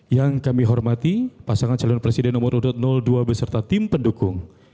yang kami hormati pasangan calon presiden nomor urut dua beserta tim pendukung